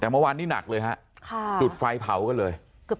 แต่เมื่อวานนี้หนักเลยฮะจุดไฟเผากันเลย